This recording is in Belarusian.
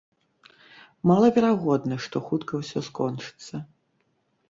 Малаверагодна, што хутка ўсё скончыцца.